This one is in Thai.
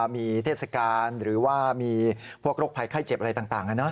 มีเทศกานหรืออะไรพวกโรคภัยไขเจ็บอะไรต่างนะ